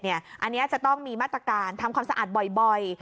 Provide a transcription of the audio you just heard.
อันนี้จะต้องมีมาตรการทำความสะอาดบ่อย